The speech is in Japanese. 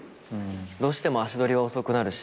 どうしても足取りは遅くなるし。